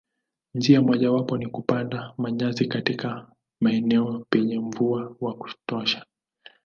Njia mojawapo ni kupanda manyasi katika maeneo penye mvua wa kutosha.